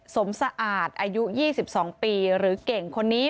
สะอาดอายุ๒๒ปีหรือเก่งคนนี้